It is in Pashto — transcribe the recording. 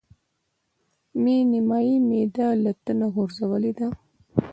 مې نيمایي معده له تنه غورځولې ده.